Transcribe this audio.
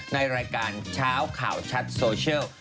ในรายการเช้าข่าวชัดโซเชียล